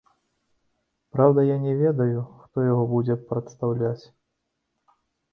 Праўда, я не ведаю, хто яго будзе прадстаўляць.